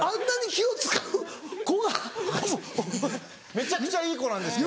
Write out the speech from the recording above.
めちゃくちゃいい子なんですけど。